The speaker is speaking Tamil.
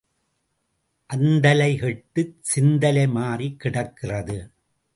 அந்தலை கெட்டுச் சிந்தலை மாறிக் கிடக்கிறது.